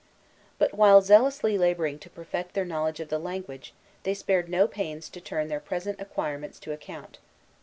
But while zealously laboring to perfect their knowledge of the language, they spared no pains to turn their present acquirements to account.